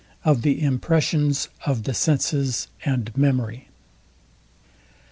OF THE IMPRESSIONS OF THE SENSES AND MEMORY.